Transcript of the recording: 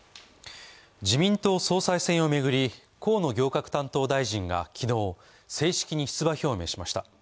自民党総裁選を巡り河野行革担当大臣が昨日、正式に出馬表明しました。